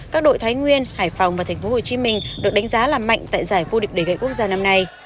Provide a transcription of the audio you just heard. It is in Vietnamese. các đội thái nguyên hải phòng và thành phố hồ chí minh được đánh giá làm mạnh tại giải vô địch đẩy gậy quốc gia năm nay